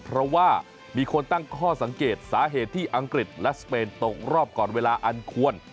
เพราะว่ามีคนตั้งข้อสังเกตสาเหตุที่อังกฤษและสเปนตกรอบก่อนเวลาอันควร